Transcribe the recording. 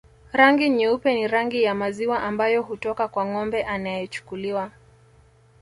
Rangi nyeupe ni rangi ya maziwa ambayo hutoka kwa ngombe anayechukuliwa